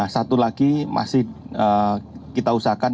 satu lagi masih kita usahakan